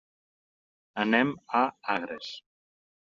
Anem a Agres.